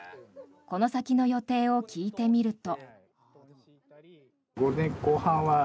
この先の予定を聞いてみると。